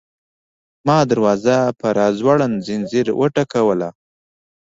ما دروازه په راځوړند ځنځیر وټکوله.